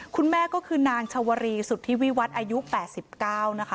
คุณแม่ก็คือนางชวรีสุทธิวิวัฒน์อายุ๘๙นะคะ